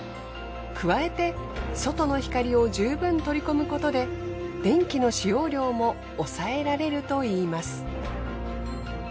加えて外の光を十分取り込むことで電気の使用量も抑えられるといいます。